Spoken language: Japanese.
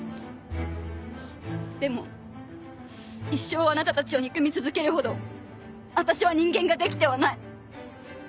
でも一生あなたたちを憎み続けるほど私は人間ができてはない。